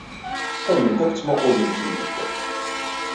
Qqiment kan ttmuqqulent-iyi-d.